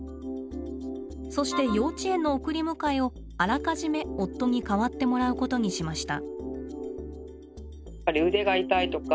そして幼稚園の送り迎えをあらかじめ夫に代わってもらうことにしました。